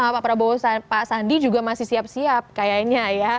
pak prabowo pak sandi juga masih siap siap kayaknya ya